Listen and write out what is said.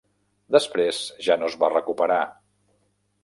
Després ja no es va recuperar.